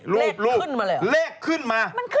รูปรูปเลขขึ้นมา